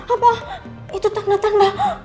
apa itu tanda tanda